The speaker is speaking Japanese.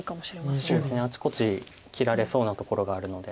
そうですねあちこち切られそうなところがあるので。